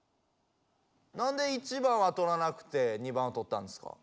なんで１番はとらなくて２番とったんですか？